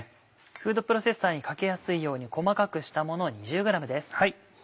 フードプロセッサーにかけやすいように細かくしたものを２０ｇです。